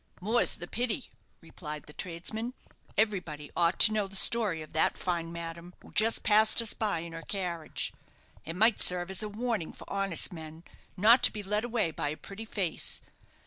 "More's the pity," replied the tradesman. "Everybody ought to know the story of that fine madam, who just passed us by in her carriage. It might serve as a warning for honest men not to be led away by a pretty face.